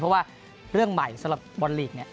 เพราะว่าเรื่องใหม่สำหรับบอลลีกเนี่ย